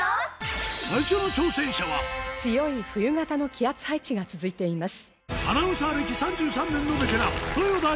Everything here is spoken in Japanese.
強い冬型の気圧配置が続いています。